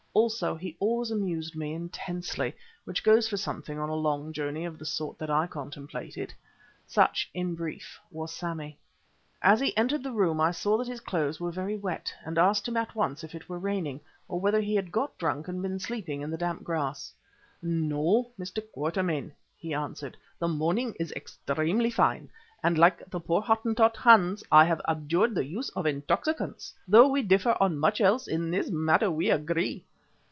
Also, he always amused me intensely, which goes for something on a long journey of the sort that I contemplated. Such in brief was Sammy. As he entered the room I saw that his clothes were very wet and asked him at once if it were raining, or whether he had got drunk and been sleeping in the damp grass. "No, Mr. Quatermain," he answered, "the morning is extremely fine, and like the poor Hottentot, Hans, I have abjured the use of intoxicants. Though we differ on much else, in this matter we agree."